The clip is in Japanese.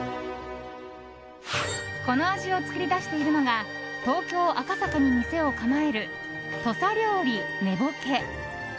この味を作り出しているのが東京・赤坂に店を構える土佐料理祢保希。